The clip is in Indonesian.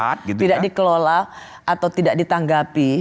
tidak dikelola atau tidak ditanggapi